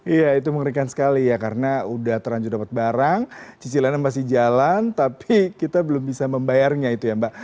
iya itu mengerikan sekali ya karena udah terlanjur dapat barang cicilannya masih jalan tapi kita belum bisa membayarnya itu ya mbak